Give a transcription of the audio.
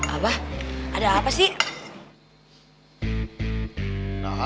abah ada apa sih